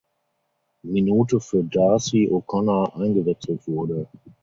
Minute für D’Arcy O’Connor eingewechselt wurde.